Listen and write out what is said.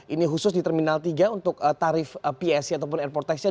ini khusus di terminal tiga untuk tarif psi ataupun airport tax nya